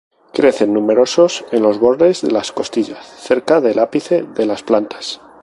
Crecen numerosos en los bordes de las costillas cerca del ápice de las plantas.